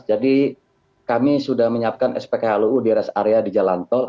jadi kami sudah menyiapkan spkluu di res area di jalan tol